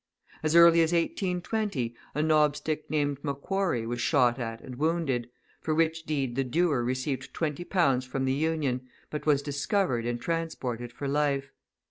As early as 1820, a knobstick named M'Quarry was shot at and wounded, for which deed the doer received twenty pounds from the Union, but was discovered and transported for life.